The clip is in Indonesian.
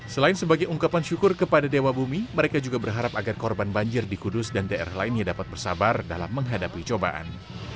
selain sebagai ungkapan syukur kepada dewa bumi mereka juga berharap agar korban banjir di kudus dan daerah lainnya dapat bersabar dalam menghadapi cobaan